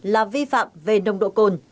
là vi phạm về nông độ cồn